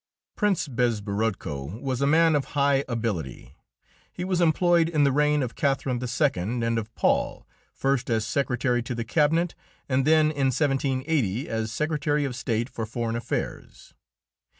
Prince Bezborodko was a man of high ability. He was employed in the reign of Catherine II. and of Paul, first as secretary to the cabinet, and then, in 1780, as Secretary of State for Foreign Affairs.